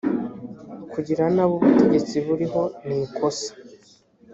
kugirira nabi ubutegetsi buriho nikosa